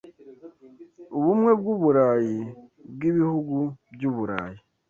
Ubumwe bw’u Burayi bwibihugu byuburayi